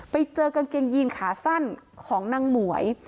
ไปเจอกางเกงยีนขาสั้นของนางหมวย